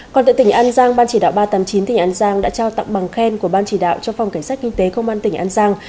còn tại tỉnh an giang ban chỉ đạo ba trăm tám mươi chín tỉnh an giang đã trao tặng bằng khen của ban chỉ đạo cho phòng cảnh sát kinh tế công an tỉnh an giang